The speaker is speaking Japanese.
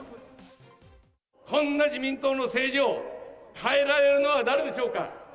こんな自民党の政治を変えられるのは誰でしょうか。